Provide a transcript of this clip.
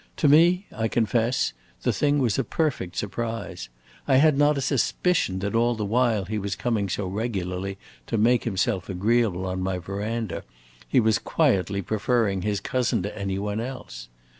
To me, I confess, the thing was a perfect surprise. I had not a suspicion that all the while he was coming so regularly to make himself agreeable on my veranda, he was quietly preferring his cousin to any one else.